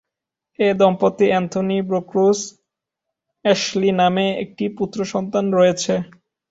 এ দম্পতির Anthony Brooks Ashley নামে একটি পুত্র সন্তান রয়েছে।